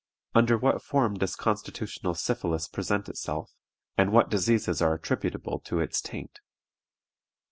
Under what form does constitutional syphilis present itself, and what diseases are attributable to its taint?